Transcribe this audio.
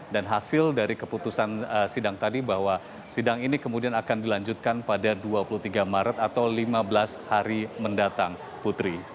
dan hasil dari keputusan sidang tadi bahwa sidang ini kemudian akan dilanjutkan pada dua puluh tiga maret atau lima belas hari mendatang putri